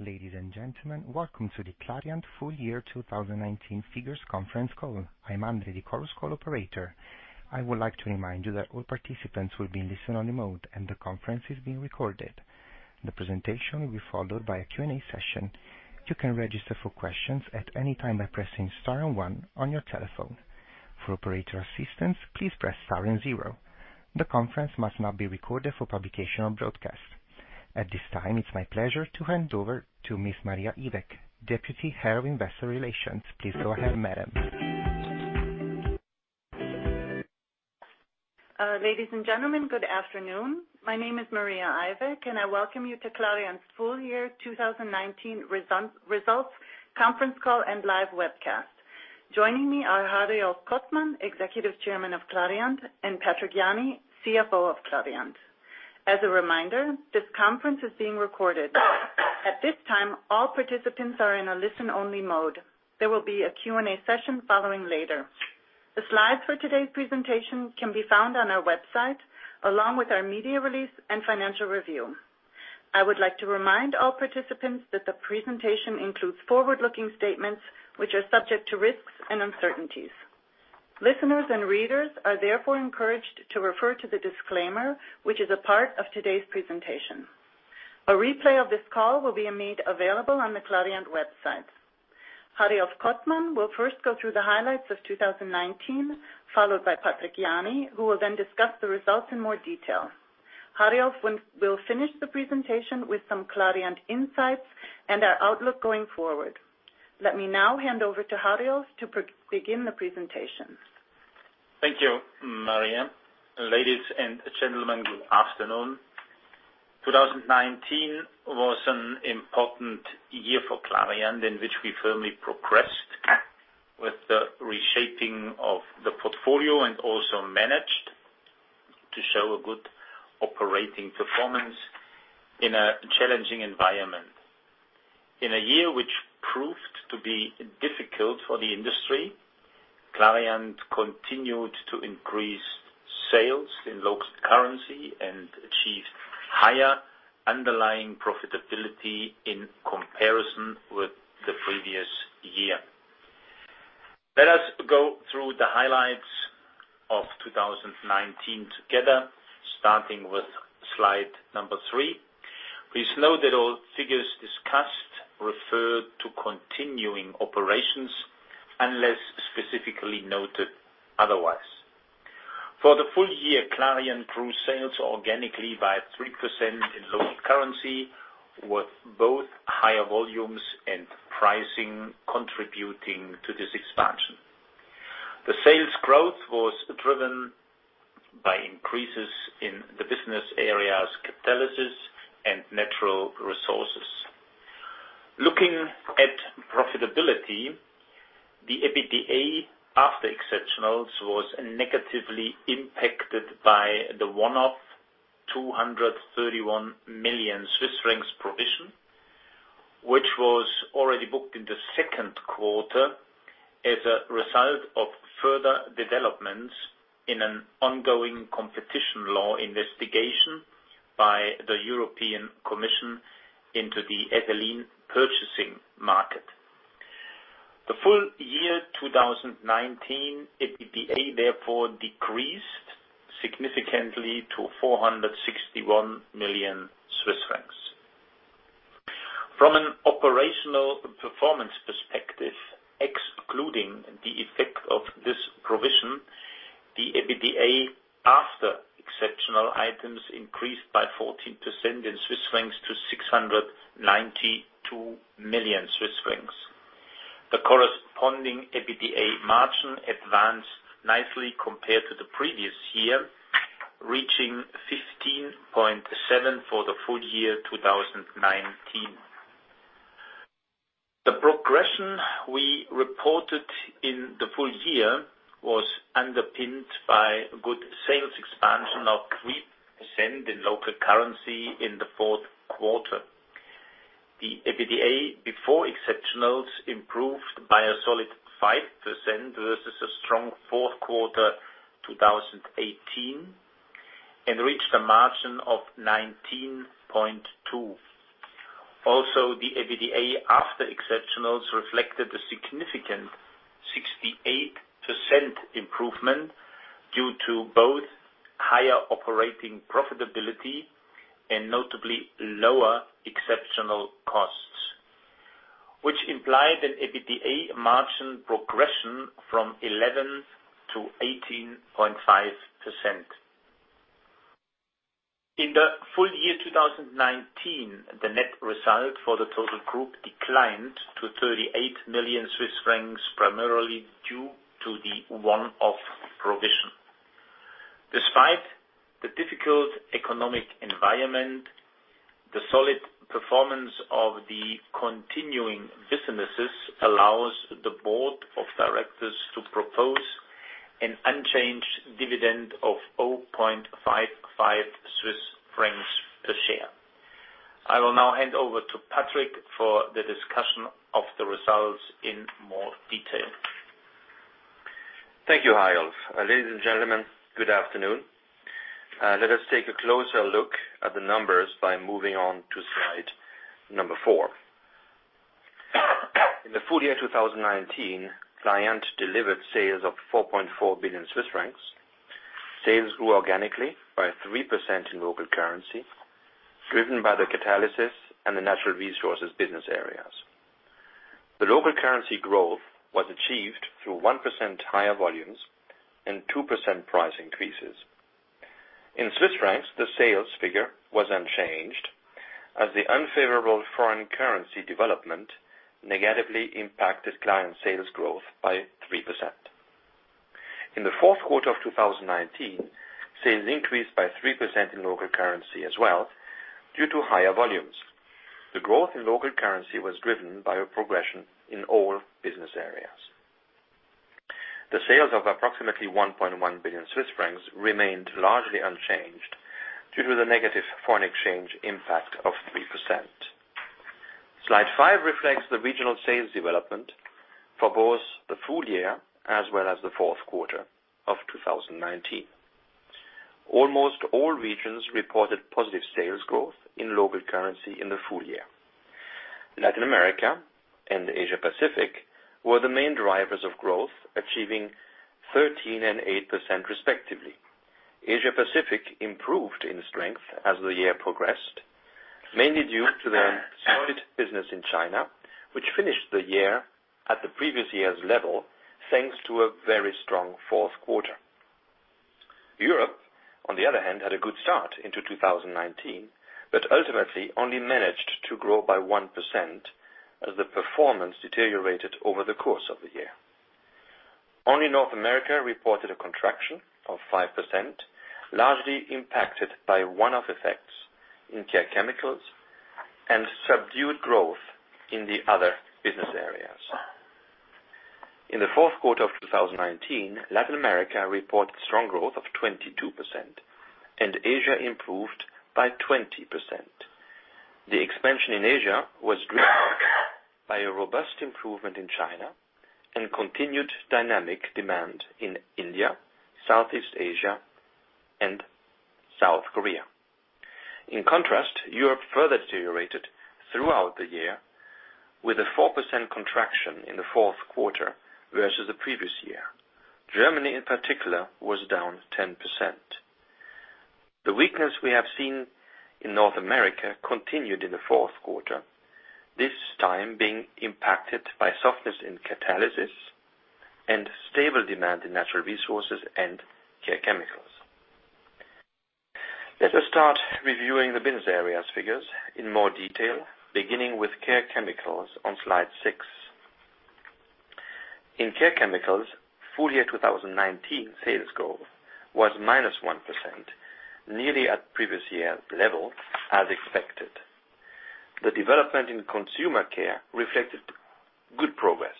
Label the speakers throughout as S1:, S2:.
S1: Ladies and gentlemen, welcome to the Clariant Full Year 2019 Figures Conference Call. I'm Andre, the Chorus Call operator. I would like to remind you that all participants will be in listen-only mode, and the conference is being recorded. At this time, it's my pleasure to hand over to Ms. Maria Ivek, Deputy Head of Investor Relations. Please go ahead, madam.
S2: Ladies and gentlemen, good afternoon. My name is Maria Ivek, and I welcome you to Clariant's Full Year 2019 Results Conference Call and live webcast. Joining me are Hariolf Kottmann, Executive Chairman of Clariant, and Patrick Jany, CFO of Clariant. As a reminder, this conference is being recorded. At this time, all participants are in a listen-only mode. There will be a Q&A session following later. The slides for today's presentation can be found on our website, along with our media release and financial review. I would like to remind all participants that the presentation includes forward-looking statements, which are subject to risks and uncertainties. Listeners and readers are therefore encouraged to refer to the disclaimer, which is a part of today's presentation. A replay of this call will be made available on the Clariant website. Hariolf Kottmann will first go through the highlights of 2019, followed by Patrick Jany, who will then discuss the results in more detail. Hariolf will finish the presentation with some Clariant insights and our outlook going forward. Let me now hand over to Hariolf to begin the presentation.
S3: Thank you, Maria. Ladies and gentlemen, good afternoon. 2019 was an important year for Clariant, in which we firmly progressed with the reshaping of the portfolio and also managed to show a good operating performance in a challenging environment. In a year which proved to be difficult for the industry, Clariant continued to increase sales in local currency and achieved higher underlying profitability in comparison with the previous year. Let us go through the highlights of 2019 together, starting with slide number three. Please note that all figures discussed refer to continuing operations unless specifically noted otherwise. For the full year, Clariant grew sales organically by 3% in local currency, with both higher volumes and pricing contributing to this expansion. The sales growth was driven by increases in the business areas Catalysis and Natural Resources. Looking at profitability, the EBITDA after exceptionals was negatively impacted by the one-off 231 million Swiss francs provision, which was already booked in the second quarter as a result of further developments in an ongoing competition law investigation by the European Commission into the ethylene purchasing market. The full year 2019 EBITDA therefore decreased significantly to 461 million Swiss francs. From an operational performance perspective, excluding the effect of this provision, the EBITDA after exceptional items increased by 14% in CHF to 692 million Swiss francs. The corresponding EBITDA margin advanced nicely compared to the previous year, reaching 15.7% for the full year 2019. The progression we reported in the full year was underpinned by good sales expansion of 3% in local currency in the fourth quarter. The EBITDA before exceptionals improved by a solid 5% versus a strong fourth quarter 2018 and reached a margin of 19.2%. Also, the EBITDA after exceptionals reflected a significant 68% improvement due to both higher operating profitability and notably lower exceptional costs, which implied an EBITDA margin progression from 11%-18.5%. In the full year 2019, the net result for the total group declined to 38 million Swiss francs, primarily due to the one-off provision. Despite the difficult economic environment, the solid performance of the continuing businesses allows the board of directors to propose an unchanged dividend of 0.55 Swiss francs per share. I will now hand over to Patrick for the discussion of the results in more detail.
S4: Thank you, Rolf. Ladies and gentlemen, good afternoon. Let us take a closer look at the numbers by moving on to slide number four. In the full year 2019, Clariant delivered sales of 4.4 billion Swiss francs. Sales grew organically by 3% in local currency, driven by the Catalysis and the Natural Resources business areas. The local currency growth was achieved through 1% higher volumes and 2% price increases. In CHF, the sales figure was unchanged as the unfavorable foreign currency development negatively impacted Clariant sales growth by 3%. In the fourth quarter of 2019, sales increased by 3% in local currency as well due to higher volumes. The growth in local currency was driven by a progression in all business areas. The sales of approximately 1.1 billion Swiss francs remained largely unchanged due to the negative foreign exchange impact of 3%. Slide five reflects the regional sales development for both the full year as well as the fourth quarter of 2019. Almost all regions reported positive sales growth in local currency in the full year. Latin America and Asia-Pacific were the main drivers of growth, achieving 13% and 8% respectively. Asia-Pacific improved in strength as the year progressed, mainly due to the solid business in China, which finished the year at the previous year's level, thanks to a very strong fourth quarter. Europe, on the other hand, had a good start into 2019, but ultimately only managed to grow by 1% as the performance deteriorated over the course of the year. Only North America reported a contraction of 5%, largely impacted by one-off effects in Care Chemicals and subdued growth in the other business areas. In the fourth quarter of 2019, Latin America reported strong growth of 22%, and Asia improved by 20%. The expansion in Asia was driven by a robust improvement in China and continued dynamic demand in India, Southeast Asia, and South Korea. In contrast, Europe further deteriorated throughout the year with a 4% contraction in the fourth quarter versus the previous year. Germany in particular was down 10%. The weakness we have seen in North America continued in the fourth quarter, this time being impacted by softness in Catalysis and stable demand in Natural Resources and Care Chemicals. Let us start reviewing the business areas figures in more detail, beginning with Care Chemicals on slide six. In Care Chemicals, full year 2019 sales growth was -1%, nearly at previous year level, as expected. The development in consumer care reflected good progress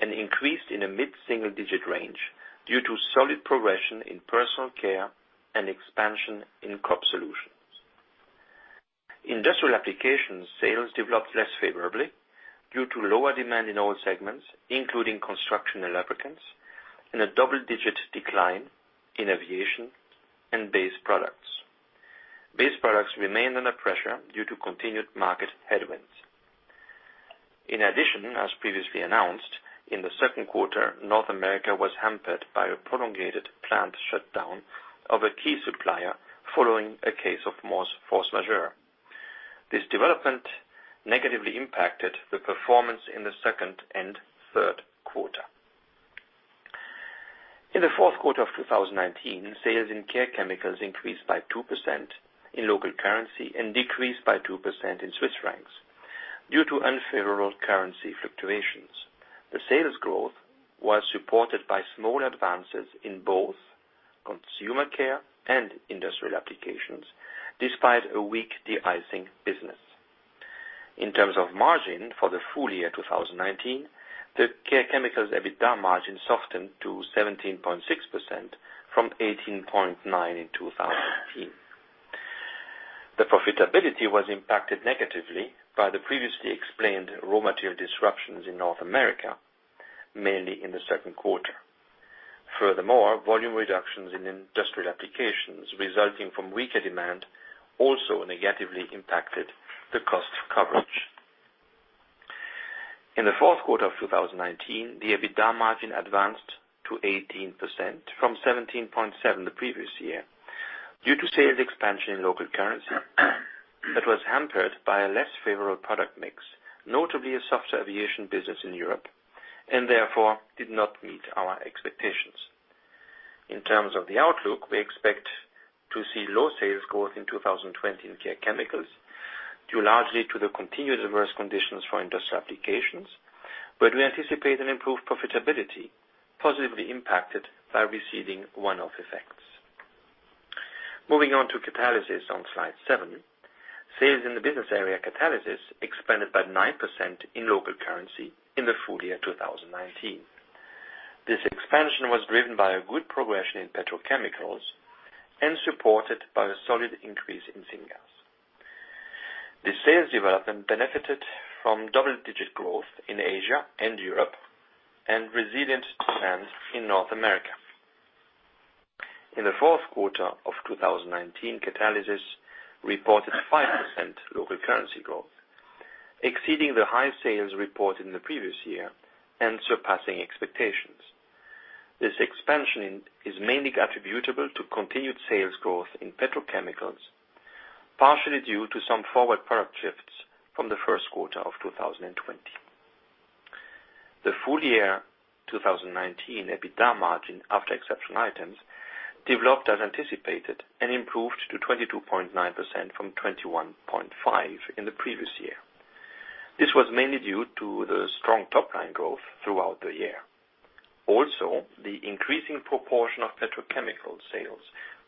S4: and increased in a mid-single digit range due to solid progression in personal care and expansion in crop solutions. Industrial application sales developed less favorably due to lower demand in all segments, including construction and lubricants, and a double-digit decline in aviation and base products. Base products remained under pressure due to continued market headwinds. In addition, as previously announced, in the second quarter, North America was hampered by a prolonged plant shutdown of a key supplier following a case of force majeure. This development negatively impacted the performance in the second and third quarter. In the fourth quarter of 2019, sales in Care Chemicals increased by 2% in local currency and decreased by 2% in CHF due to unfavorable currency fluctuations. The sales growth was supported by small advances in both Care Chemicals and industrial applications, despite a weak de-icing business. In terms of margin for the full year 2019, the Care Chemicals EBITDA margin softened to 17.6% from 18.9% in 2018. The profitability was impacted negatively by the previously explained raw material disruptions in North America, mainly in the second quarter. Furthermore, volume reductions in industrial applications resulting from weaker demand also negatively impacted the cost coverage. In the fourth quarter of 2019, the EBITDA margin advanced to 18% from 17.7% the previous year due to sales expansion in local currency that was hampered by a less favorable product mix, notably a softer aviation business in Europe, and therefore did not meet our expectations. In terms of the outlook, we expect to see low sales growth in 2020 in Care Chemicals due largely to the continued adverse conditions for industrial applications. We anticipate an improved profitability, positively impacted by receding one-off effects. Moving on to Catalysis on slide seven. Sales in the business area Catalysis expanded by 9% in local currency in the full year 2019. This expansion was driven by a good progression in petrochemicals and supported by a solid increase. The sales development benefited from double-digit growth in Asia and Europe, and resilient demand in North America. In the fourth quarter of 2019, Catalysis reported 5% local currency growth, exceeding the high sales reported in the previous year and surpassing expectations. This expansion is mainly attributable to continued sales growth in petrochemicals, partially due to some forward product shifts from the first quarter of 2020. The full year 2019 EBITDA margin after exceptional items, developed as anticipated and improved to 22.9% from 21.5% in the previous year. Also, the increasing proportion of petrochemical sales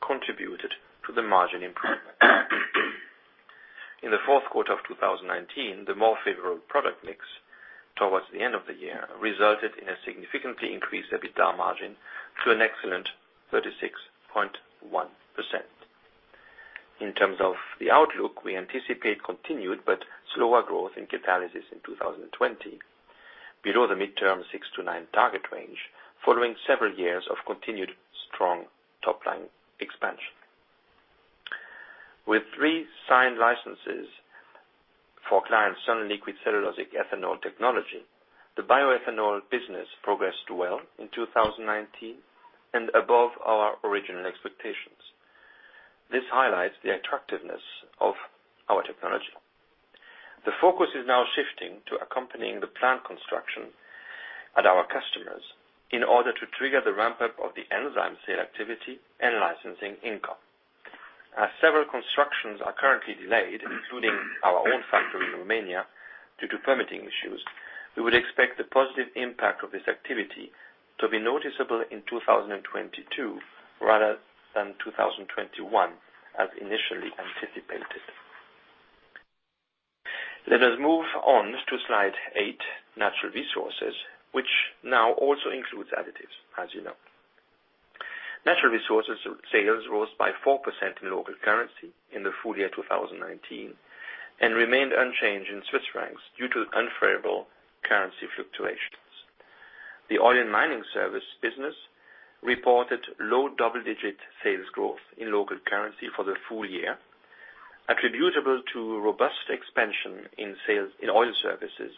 S4: contributed to the margin improvement. In the fourth quarter of 2019, the more favorable product mix towards the end of the year resulted in a significantly increased EBITDA margin to an excellent 36.1%. In terms of the outlook, we anticipate continued but slower growth in Catalysis in 2020, below the midterm 6%-9% target range, following several years of continued strong top-line expansion. With three signed licenses for Clariant's sunliquid cellulosic ethanol technology, the bioethanol business progressed well in 2019 and above our original expectations. This highlights the attractiveness of our technology. The focus is now shifting to accompanying the plant construction at our customers in order to trigger the ramp-up of the enzyme sales activity and licensing income. As several constructions are currently delayed, including our own factory in Romania due to permitting issues, we would expect the positive impact of this activity to be noticeable in 2022 rather than 2021, as initially anticipated. Let us move on to slide eight, Natural Resources, which now also includes Additives, as you know. Natural Resources sales rose by 4% in local currency in the full year 2019 and remained unchanged in CHF due to unfavorable currency fluctuations. The oil and mining service business reported low double-digit sales growth in local currency for the full year, attributable to robust expansion in oil services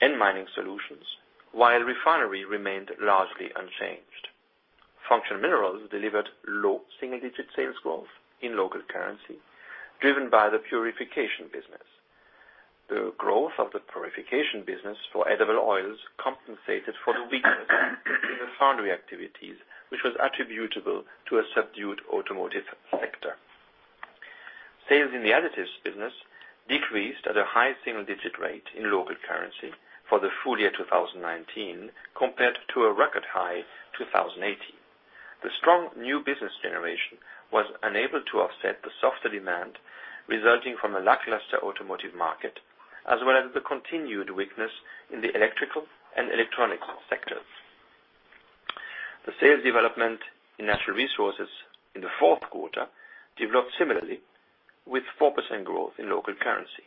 S4: and mining solutions, while refinery remained largely unchanged. Functional minerals delivered low single-digit sales growth in local currency, driven by the purification business. The growth of the purification business for edible oils compensated for the weakness in the foundry activities, which was attributable to a subdued automotive sector. Sales in the Additives business decreased at a high single-digit rate in local currency for the full year 2019, compared to a record high 2018. The strong new business generation was unable to offset the softer demand resulting from a lackluster automotive market, as well as the continued weakness in the electrical and electronic sectors. The sales development in Natural Resources in the fourth quarter developed similarly with 4% growth in local currency.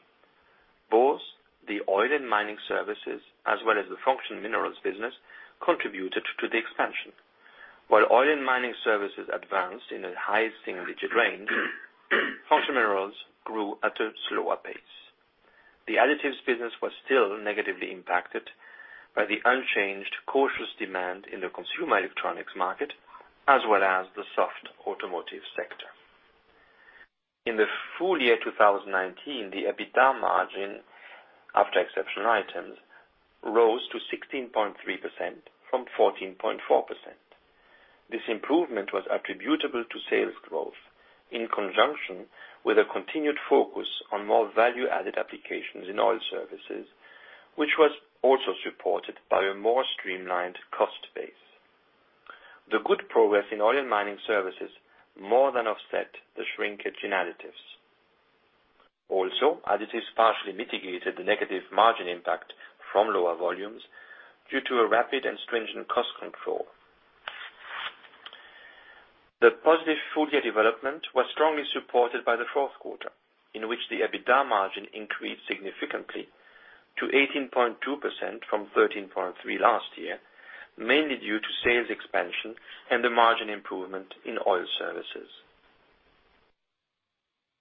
S4: Both the oil and mining services as well as the functional minerals business contributed to the expansion. While oil and mining services advanced in the highest single-digit range, functional minerals grew at a slower pace. The Additives business was still negatively impacted by the unchanged cautious demand in the consumer electronics market, as well as the soft automotive sector. In the full year 2019, the EBITDA margin, after exceptional items, rose to 16.3% from 14.4%. This improvement was attributable to sales growth in conjunction with a continued focus on more value-added applications in oil services, which was also supported by a more streamlined cost base. The good progress in oil and mining services more than offset the shrinkage in Additives. Also, Additives partially mitigated the negative margin impact from lower volumes due to a rapid and stringent cost control. The positive full year development was strongly supported by the fourth quarter, in which the EBITDA margin increased significantly to 18.2% from 13.3% last year, mainly due to sales expansion and the margin improvement in oil services.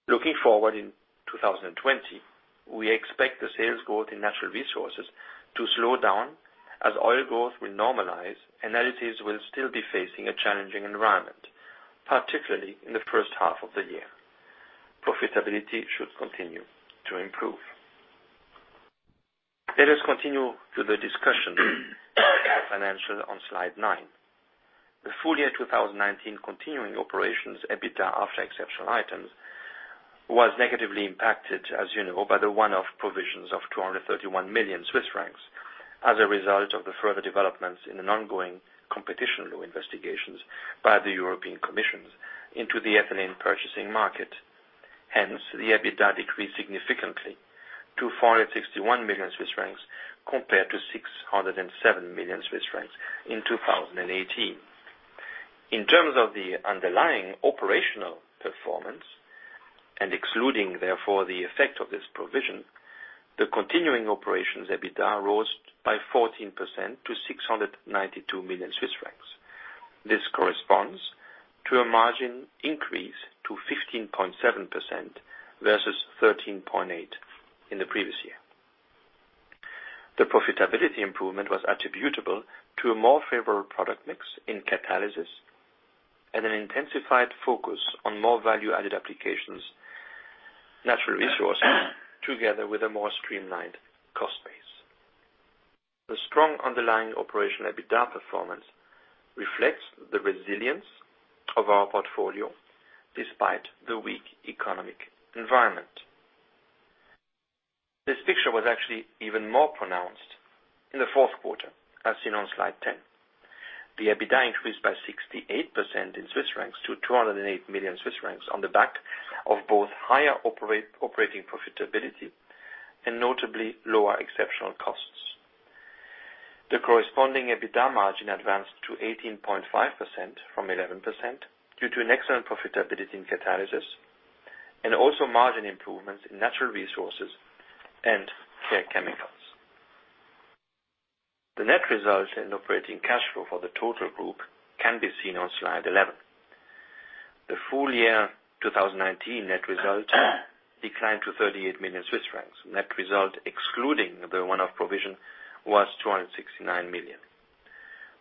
S4: Looking forward in 2020, we expect the sales growth in Natural Resources to slow down as oil growth will normalize, and Additives will still be facing a challenging environment, particularly in the first half of the year. Profitability should continue to improve. Let us continue to the discussion of the financials on slide nine. The full year 2019 continuing operations EBITDA after exceptional items was negatively impacted, as you know, by the one-off provisions of 231 million Swiss francs as a result of the further developments in an ongoing competition law investigations by the European Commission into the ethylene purchasing market. Hence, the EBITDA decreased significantly to 461 million Swiss francs compared to 607 million Swiss francs in 2018. In terms of the underlying operational performance, and excluding therefore the effect of this provision, the continuing operations EBITDA rose by 14% to 692 million Swiss francs. This corresponds to a margin increase to 15.7% versus 13.8% in the previous year. The profitability improvement was attributable to a more favorable product mix in Catalysis and an intensified focus on more value-added applications, Natural Resources, together with a more streamlined cost base. The strong underlying operational EBITDA performance reflects the resilience of our portfolio despite the weak economic environment. This picture was actually even more pronounced in the fourth quarter, as seen on slide 10. The EBITDA increased by 68% in CHF to 208 million Swiss francs on the back of both higher operating profitability and notably lower exceptional costs. The corresponding EBITDA margin advanced to 18.5% from 11% due to an excellent profitability in Catalysis and also margin improvements in Natural Resources and Care Chemicals. The net result in operating cash flow for the total group can be seen on slide 11. The full year 2019 net result declined to 38 million Swiss francs. Net result, excluding the one-off provision, was 269 million.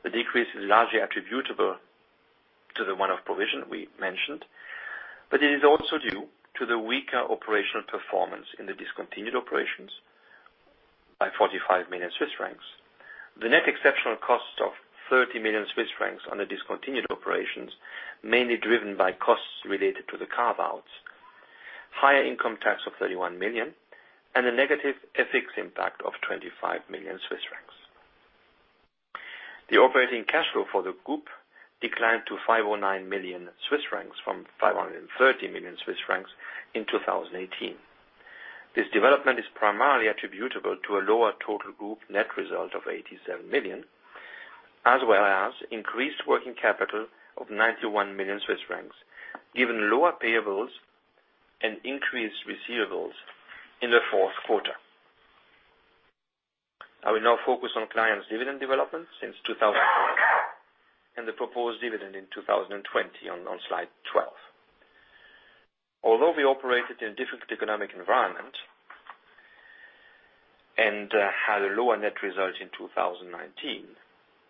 S4: The decrease is largely attributable to the one-off provision we mentioned, but it is also due to the weaker operational performance in the discontinued operations by 45 million Swiss francs. The net exceptional cost of 30 million Swiss francs on the discontinued operations, mainly driven by costs related to the carve-outs, higher income tax of 31 million, and a negative FX impact of 25 million Swiss francs. The operating cash flow for the group declined to 509 million Swiss francs from 530 million Swiss francs in 2018. This development is primarily attributable to a lower total group net result of 87 million, as well as increased working capital of 91 million Swiss francs, given lower payables and increased receivables in the fourth quarter. I will now focus on Clariant's dividend development since 2014 and the proposed dividend in 2020 on slide 12. Although we operated in a difficult economic environment and had a lower net result in 2019,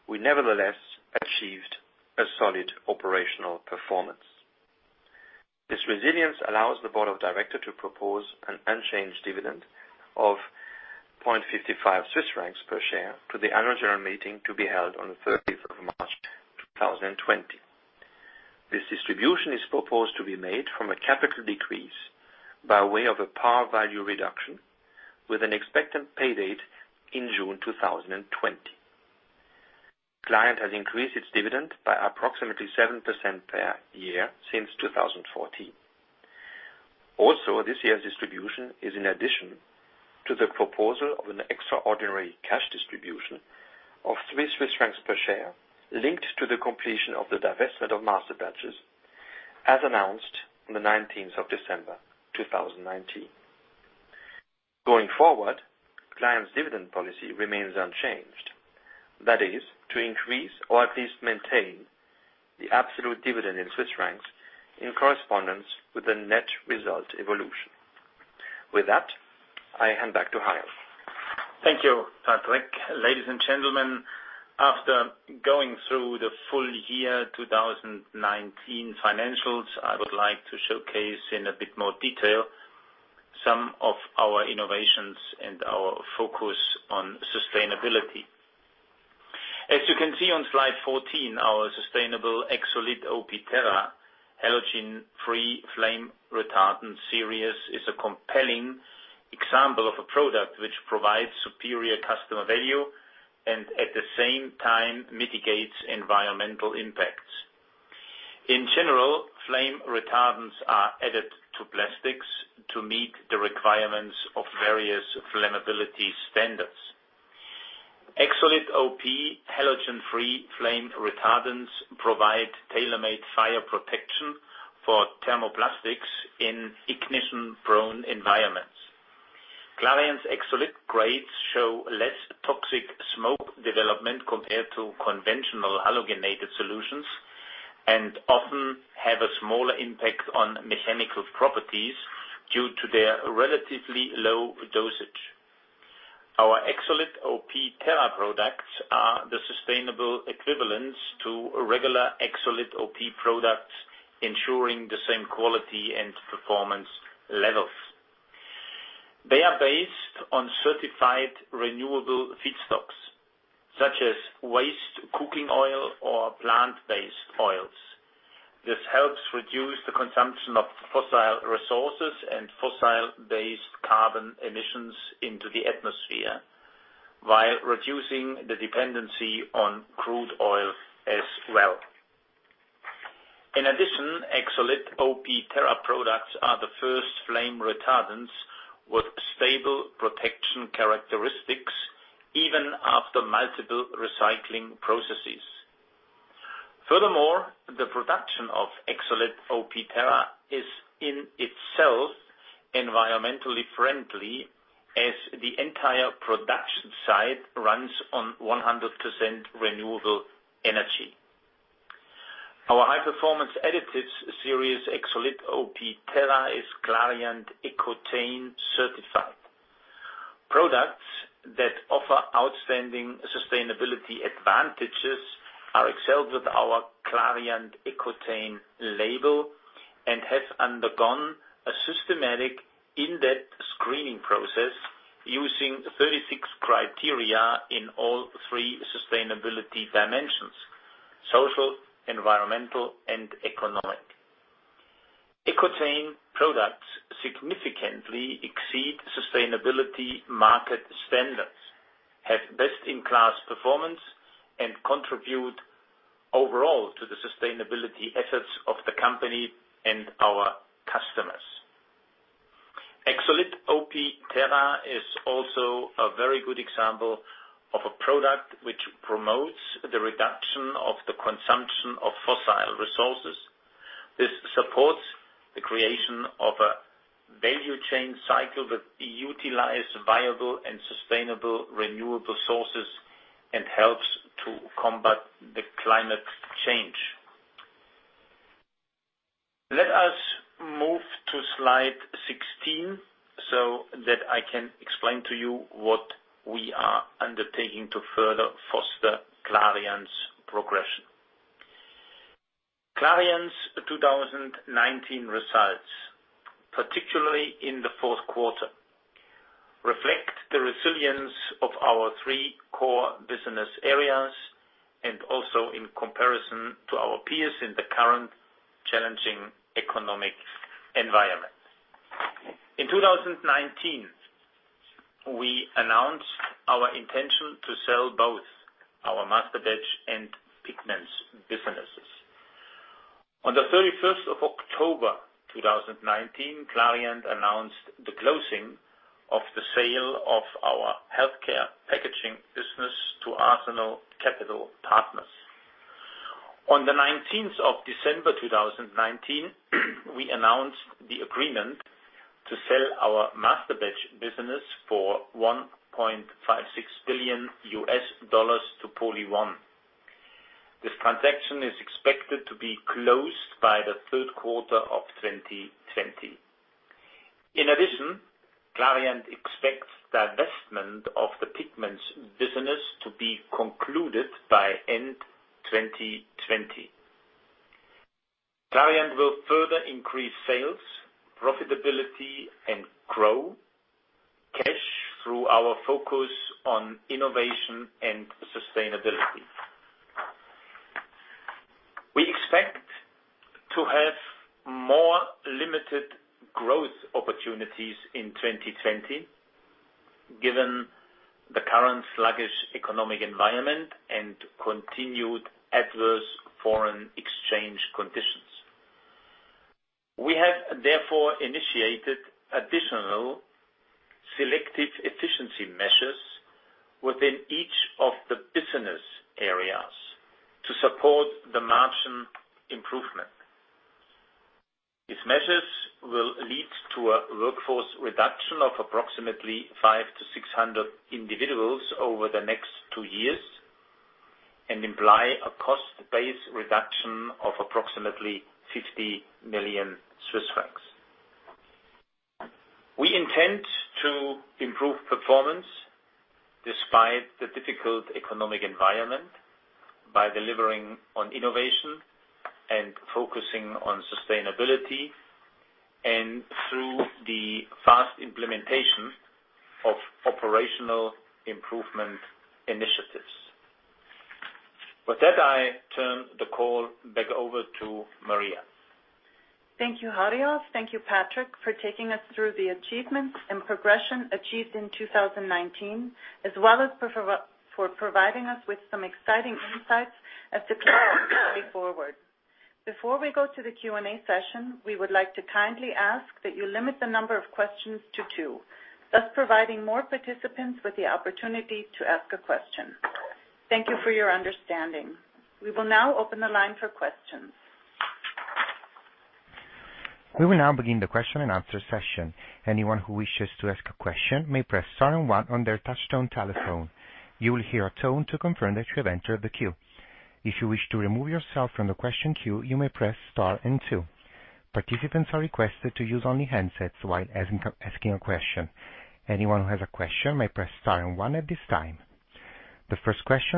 S4: we nevertheless achieved a solid operational performance. This resilience allows the Board of Directors to propose an unchanged dividend of 0.55 Swiss francs per share to the annual general meeting to be held on the 30th of March 2020. This distribution is proposed to be made from a capital decrease by way of a par value reduction with an expected pay date in June 2020. Clariant has increased its dividend by approximately 7% per year since 2014. This year's distribution is in addition to the proposal of an extraordinary cash distribution of 3 Swiss francs per share linked to the completion of the divestment of Masterbatches, as announced on the 19th of December 2019. Going forward, Clariant's dividend policy remains unchanged. That is, to increase or at least maintain the absolute dividend in CHF in correspondence with the net result evolution. With that, I hand back to Hariolf.
S3: Thank you, Patrick. Ladies and gentlemen, after going through the full year 2019 financials, I would like to showcase in a bit more detail some of our innovations and our focus on sustainability. As you can see on slide 14, our sustainable Exolit OP Terra halogen-free flame retardant series is a compelling example of a product which provides superior customer value and at the same time mitigates environmental impacts. In general, flame retardants are added to plastics to meet the requirements of various flammability standards. Exolit OP halogen-free flame retardants provide tailor-made fire protection for thermoplastics in ignition-prone environments. Clariant's Exolit grades show less toxic smoke development compared to conventional halogenated solutions and often have a smaller impact on mechanical properties due to their relatively low dosage. Our Exolit OP Terra products are the sustainable equivalents to regular Exolit OP products, ensuring the same quality and performance levels. They are based on certified renewable feedstocks, such as waste cooking oil or plant-based oils. This helps reduce the consumption of fossil resources and fossil-based carbon emissions into the atmosphere while reducing the dependency on crude oil as well. In addition, Exolit OP Terra products are the first flame retardants with stable protection characteristics even after multiple recycling processes. Furthermore, the production of Exolit OP Terra is in itself environmentally friendly, as the entire production site runs on 100% renewable energy. Our high-performance Additives series, Exolit OP Terra, is Clariant EcoTain certified. Products that offer outstanding sustainability advantages are excelled with our Clariant EcoTain label and have undergone a systematic in-depth screening process using 36 criteria in all three sustainability dimensions: social, environmental, and economic. EcoTain products significantly exceed sustainability market standards, have best-in-class performance, and contribute overall to the sustainability efforts of the company and our customers. Exolit OP Terra is also a very good example of a product which promotes the reduction of the consumption of fossil resources. This supports the creation of a value chain cycle that utilizes viable and sustainable renewable sources and helps to combat the climate change. Let us move to slide 16 so that I can explain to you what we are undertaking to further foster Clariant's progression. Clariant's 2019 results, particularly in the fourth quarter, reflect the resilience of our three core business areas and also in comparison to our peers in the current challenging economic environment. In 2019, we announced our intention to sell both our Masterbatches and Pigments businesses. On the 31st of October, 2019, Clariant announced the closing of the sale of our Healthcare Packaging business to Arsenal Capital Partners. On the 19th of December 2019, we announced the agreement to sell our Masterbatches business for $1.56 billion to PolyOne. This transaction is expected to be closed by the third quarter of 2020. In addition, Clariant expects the divestment of the Pigments business to be concluded by end 2020. Clariant will further increase sales, profitability, and grow cash through our focus on innovation and sustainability. We expect to have more limited growth opportunities in 2020, given the current sluggish economic environment and continued adverse foreign exchange conditions. We have therefore initiated additional selective efficiency measures within each of the business areas to support the margin improvement. These measures will lead to a workforce reduction of approximately 500 to 600 individuals over the next two years and imply a cost base reduction of approximately CHF 50 million. We intend to improve performance despite the difficult economic environment by delivering on innovation and focusing on sustainability and through the fast implementation of operational improvement initiatives. With that, I turn the call back over to Maria.
S2: Thank you, Hariolf. Thank you, Patrick, for taking us through the achievements and progression achieved in 2019, as well as for providing us with some exciting insights as to Clariant's way forward. Before we go to the Q&A session, we would like to kindly ask that you limit the number of questions to two, thus providing more participants with the opportunity to ask a question. Thank you for your understanding. We will now open the line for questions.
S1: The first question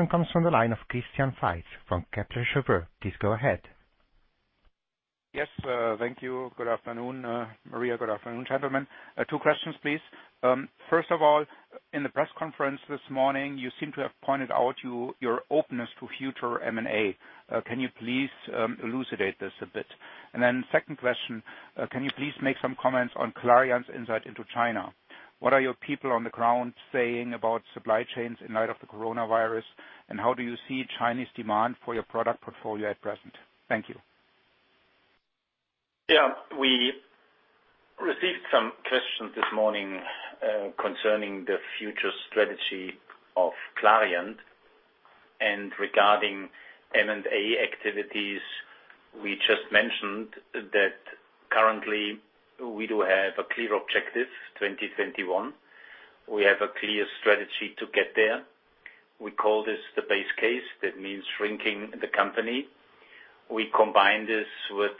S1: comes from the line of Christian Faitz from Kepler Cheuvreux. Please go ahead.
S5: Yes. Thank you. Good afternoon, Maria. Good afternoon, gentlemen. Two questions, please. First of all, in the press conference this morning, you seem to have pointed out your openness to future M&A. Can you please elucidate this a bit. Second question, can you please make some comments on Clariant's insight into China? What are your people on the ground saying about supply chains in light of the coronavirus, and how do you see Chinese demand for your product portfolio at present? Thank you.
S3: Yeah. We received some questions this morning concerning the future strategy of Clariant and regarding M&A activities. We just mentioned that currently we do have a clear objective, 2021. We have a clear strategy to get there. We call this the base case. That means shrinking the company. We combine this with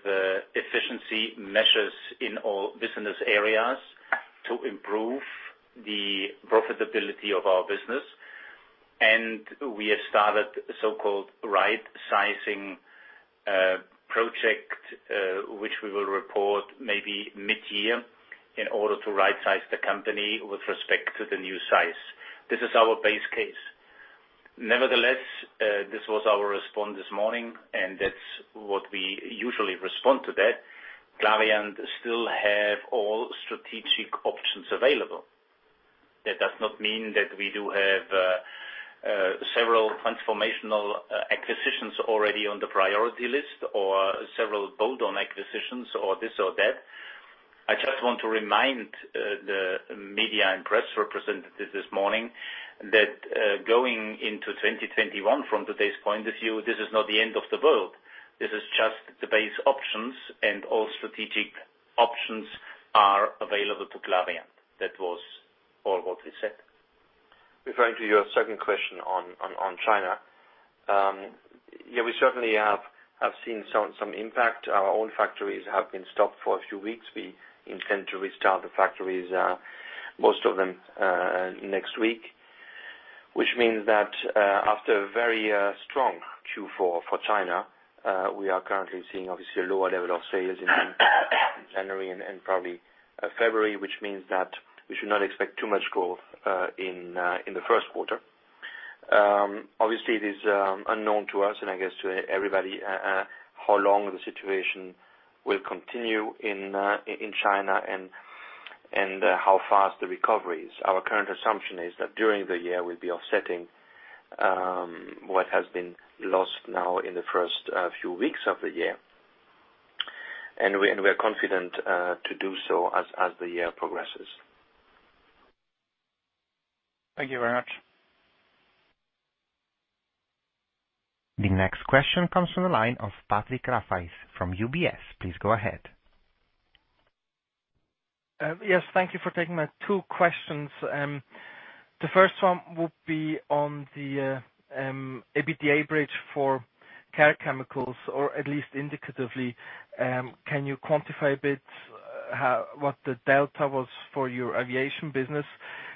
S3: efficiency measures in all business areas to improve the profitability of our business. We have started a so-called rightsizing project, which we will report maybe mid-year in order to rightsize the company with respect to the new size. This is our base case. Nevertheless, this was our response this morning, and that's what we usually respond to that. Clariant still have all strategic options available. That does not mean that we do have several transformational acquisitions already on the priority list or several bolt-on acquisitions or this or that. I just want to remind the media and press representatives this morning that going into 2021 from today's point of view, this is not the end of the world. This is just the base options and all strategic options are available to Clariant. That was all what we said.
S4: Referring to your second question on China. Yeah, we certainly have seen some impact. Our own factories have been stopped for a few weeks. We intend to restart the factories, most of them, next week, which means that after a very strong Q4 for China, we are currently seeing obviously a lower level of sales in January and probably February, which means that we should not expect too much growth in the first quarter. Obviously, it is unknown to us and I guess to everybody how long the situation will continue in China and how fast the recovery is. Our current assumption is that during the year, we'll be offsetting what has been lost now in the first few weeks of the year. We are confident to do so as the year progresses.
S5: Thank you very much.
S1: The next question comes from the line of Patrick Rafaisz from UBS. Please go ahead.
S6: Thank you for taking my two questions. The first one would be on the EBITDA bridge for Care Chemicals, or at least indicatively, can you quantify a bit what the delta was for your aviation business?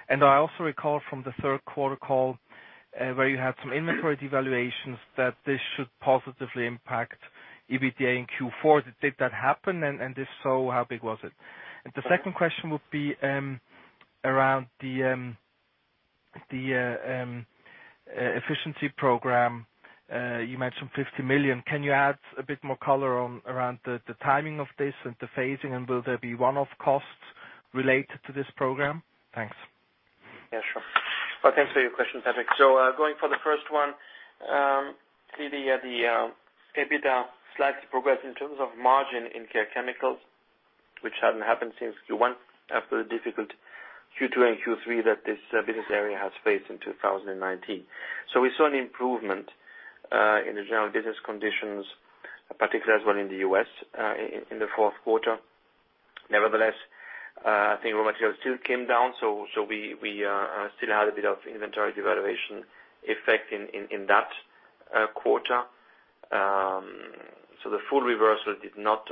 S6: I also recall from the third quarter call, where you had some inventory valuations that this should positively impact EBITDA in Q4. Did that happen, and if so, how big was it? The second question would be around the efficiency program. You mentioned 50 million. Can you add a bit more color around the timing of this and the phasing, and will there be one-off costs related to this program? Thanks.
S4: Yeah, sure. Well, thanks for your question, Patrick. Going for the first one, we see the EBITDA slightly progress in terms of margin in Care Chemicals, which hadn't happened since Q1 after the difficult Q2 and Q3 that this business area has faced in 2019. We saw an improvement in the general business conditions, particularly as well in the U.S., in the fourth quarter. Nevertheless, I think raw material still came down, we still had a bit of inventory devaluation effect in that quarter. The full reversal did not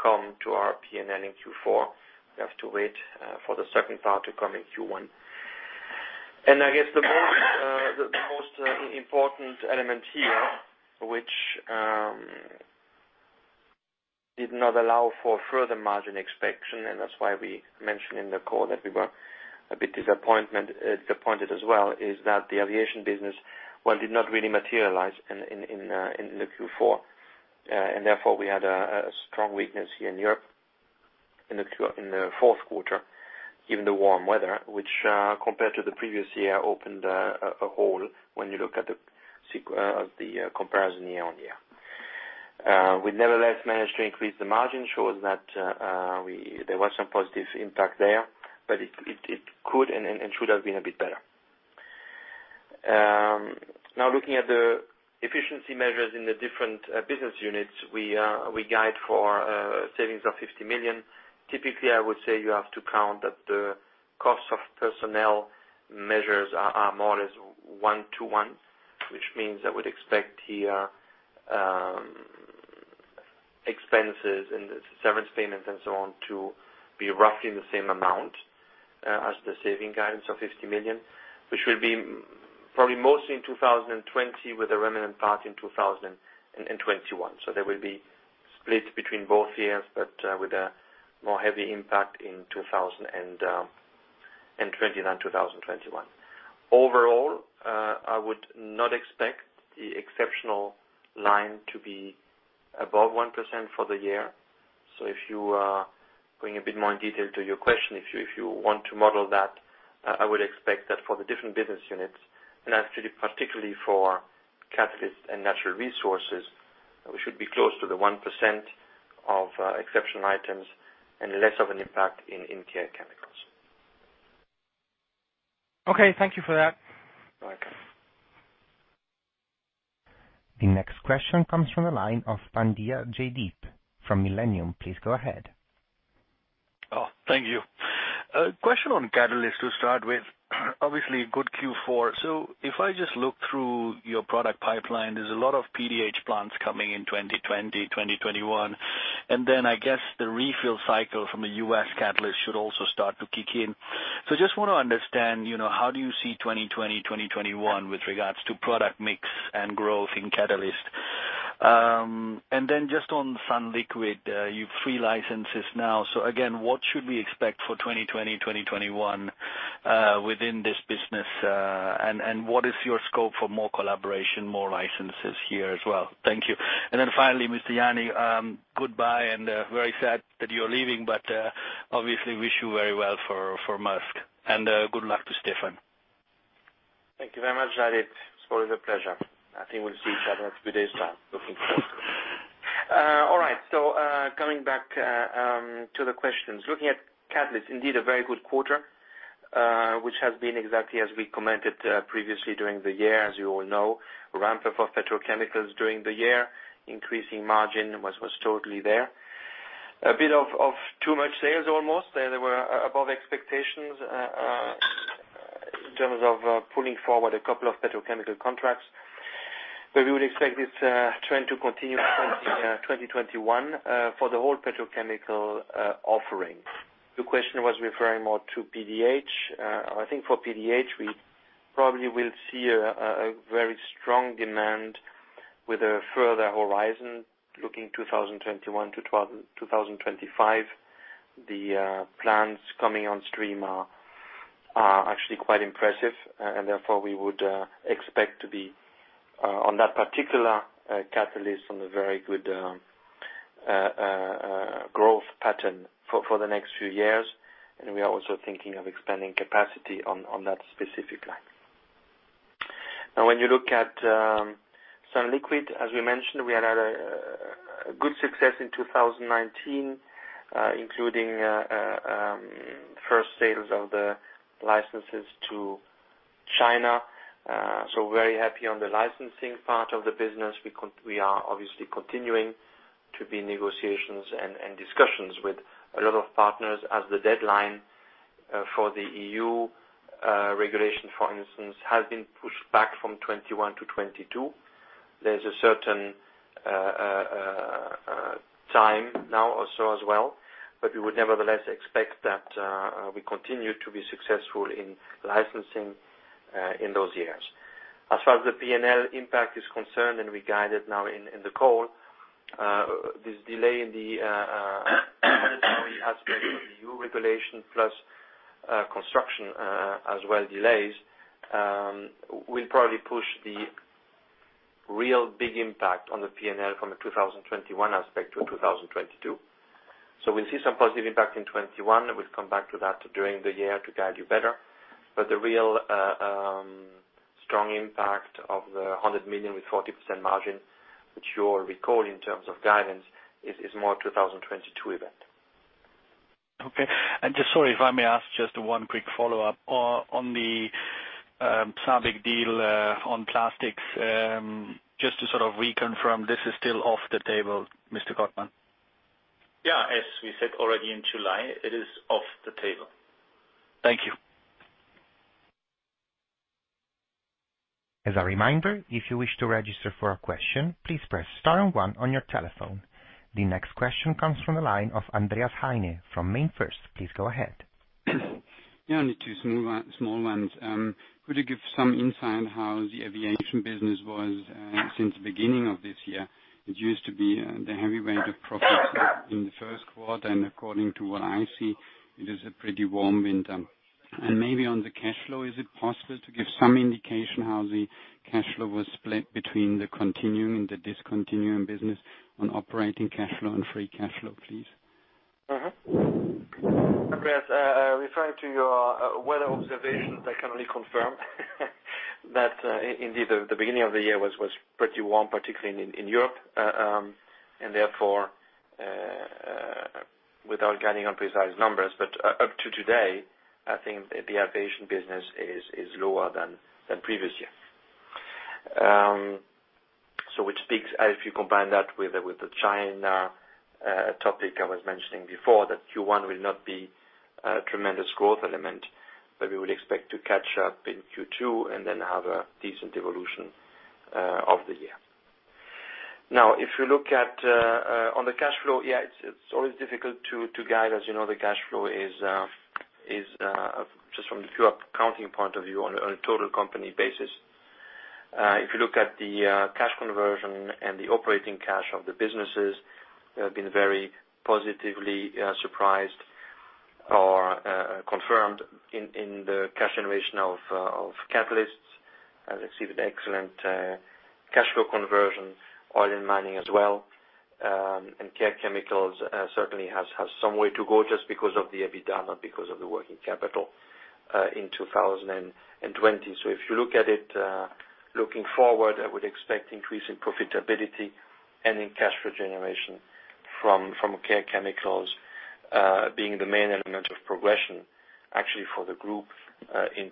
S4: come to our P&L in Q4. We have to wait for the second part to come in Q1. I guess the most important element here, which did not allow for further margin expansion, and that's why we mentioned in the call that we were a bit disappointed as well, is that the aviation business did not really materialize in the Q4. Therefore, we had a strong weakness here in Europe in the fourth quarter, given the warm weather, which, compared to the previous year, opened a hole when you look at the comparison year-on-year. We nevertheless managed to increase the margin, shows that there was some positive impact there, but it could and should have been a bit better. Looking at the efficiency measures in the different business units, we guide for savings of 50 million. Typically, I would say you have to count that the cost of personnel measures are more or less one to one, which means I would expect here expenses and severance payments and so on to be roughly the same amount as the saving guidance of 50 million, which will be probably mostly in 2020 with the remnant part in 2021. They will be split between both years, but with a more heavy impact in 2020. 2020 and 2021. Overall, I would not expect the exceptional line to be above 1% for the year. If you are going a bit more in detail to your question, if you want to model that, I would expect that for the different business units, and actually particularly for Catalysis and Natural Resources, we should be close to the 1% of exceptional items and less of an impact in Care Chemicals.
S6: Okay. Thank you for that.
S4: Welcome.
S1: The next question comes from the line of Jaideep Pandya from Millennium. Please go ahead.
S7: Thank you. Question on Catalysis to start with. Obviously a good Q4. If I just look through your product pipeline, there's a lot of PDH plants coming in 2020, 2021, and then I guess the refill cycle from the U.S. Catalysis should also start to kick in. Just want to understand, how do you see 2020, 2021 with regards to product mix and growth in Catalysis? Just on sunliquid, you've three licenses now. Again, what should we expect for 2020, 2021, within this business? What is your scope for more collaboration, more licenses here as well? Thank you. Finally, Mr. Jany, goodbye and very sad that you're leaving, obviously wish you very well for Maersk and good luck to Stephan.
S4: Thank you very much, Jaideep. It's always a pleasure. I think we'll see each other in a few days time. Looking forward. All right. Coming back to the questions. Looking at Catalysis, indeed, a very good quarter, which has been exactly as we commented previously during the year, as you all know. Ramp-up of petrochemicals during the year, increasing margin was totally there. A bit of too much sales almost. They were above expectations, in terms of pulling forward a couple of petrochemical contracts. We would expect this trend to continue into 2021 for the whole petrochemical offering. The question was referring more to PDH. I think for PDH, we probably will see a very strong demand with a further horizon looking 2021-2025. The plans coming on stream are actually quite impressive and therefore we would expect to be on that particular Catalysis on a very good growth pattern for the next few years. We are also thinking of expanding capacity on that specific line. When you look at sunliquid, as we mentioned, we had had a good success in 2019, including first sales of the licenses to China. Very happy on the licensing part of the business. We are obviously continuing to be in negotiations and discussions with a lot of partners as the deadline for the EU regulation, for instance, has been pushed back from 2021 to 2022. There's a certain time now also as well, but we would nevertheless expect that we continue to be successful in licensing in those years. As far as the P&L impact is concerned, we guided now in the call, this delay in the regulatory aspect of the EU regulation plus construction as well delays, will probably push the real big impact on the P&L from a 2021 aspect to 2022. We'll see some positive impact in 2021, we'll come back to that during the year to guide you better. The real strong impact of the 100 million with 40% margin, which you'll recall in terms of guidance, is more 2022 event.
S7: Okay. Just sorry if I may ask just one quick follow-up. On the SABIC deal on plastics, just to reconfirm, this is still off the table, Mr. Kottmann?
S3: Yeah. As we said already in July, it is off the table.
S7: Thank you.
S1: The next question comes from the line of Andreas Heine from MainFirst. Please go ahead.
S8: Yeah, only two small ones. Could you give some insight how the aviation business was since the beginning of this year? It used to be the heavyweight of profits in the first quarter, and according to what I see, it is a pretty warm winter. Maybe on the cash flow, is it possible to give some indication how the cash flow was split between the continuing and the discontinuing business on operating cash flow and free cash flow, please?
S4: Andreas, referring to your weather observations, I can only confirm that indeed the beginning of the year was pretty warm, particularly in Europe. Therefore, without getting on precise numbers, but up to today, I think the aviation business is lower than previous year. Which speaks, if you combine that with the China topic I was mentioning before, that Q1 will not be a tremendous growth element, but we would expect to catch up in Q2 and then have a decent evolution of the year. If you look on the cash flow, yeah, it's always difficult to guide. As you know, the cash flow is just from a pure accounting point of view on a total company basis. If you look at the cash conversion and the operating cash of the businesses, they have been very positively surprised or confirmed in the cash generation of Catalysis. Let's see the excellent cash flow conversion, oil and mining as well, and Care Chemicals certainly has some way to go just because of the EBITDA, because of the working capital in 2020. If you look at it, looking forward, I would expect increasing profitability and in cash flow generation from Care Chemicals being the main element of progression actually for the group, in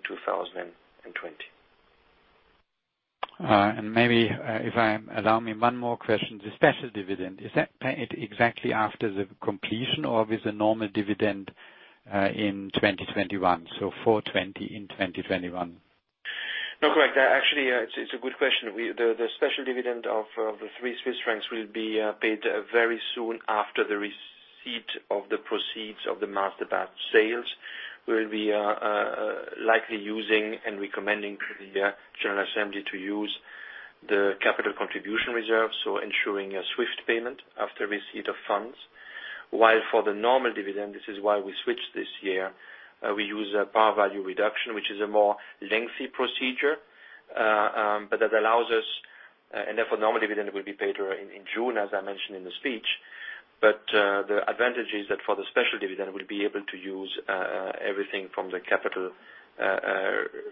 S4: 2020.
S8: Maybe allow me one more question? The special dividend, is that paid exactly after the completion or with the normal dividend, in 2021, so full 2020, in 2021?
S4: No, correct. Actually, it's a good question. The special dividend of 3 Swiss francs will be paid very soon after the receipt of the proceeds of the Masterbatches sales, where we are likely using and recommending the general assembly to use the capital contribution reserves, so ensuring a swift payment after receipt of funds. For the normal dividend, this is why we switched this year, we use a par value reduction, which is a more lengthy procedure. That allows us, and therefore normal dividend will be paid in June, as I mentioned in the speech. The advantage is that for the special dividend, we'll be able to use everything from the capital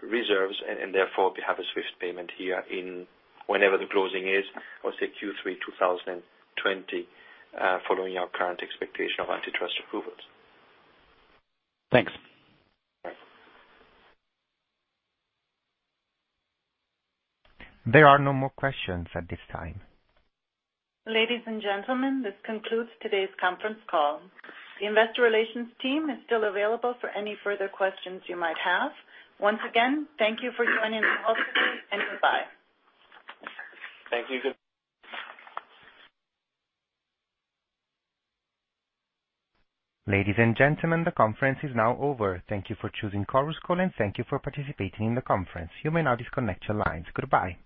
S4: reserves and therefore we have a swift payment here in whenever the closing is, I would say Q3 2020, following our current expectation of antitrust approvals.
S8: Thanks.
S4: Right.
S1: There are no more questions at this time.
S2: Ladies and gentlemen, this concludes today's conference call. The investor relations team is still available for any further questions you might have. Once again, thank you for joining the call and goodbye.
S3: Thank you.
S1: Ladies and gentlemen, the conference is now over. Thank you for choosing Chorus Call, and thank you for participating in the conference. You may now disconnect your lines. Goodbye.